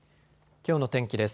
きょうの天気です。